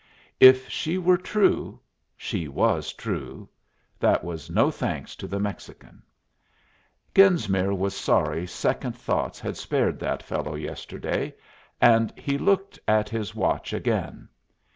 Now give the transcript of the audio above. If she were true She was true that was no thanks to the Mexican. Genesmere was sorry second thoughts had spared that fellow yesterday, and he looked at his watch again.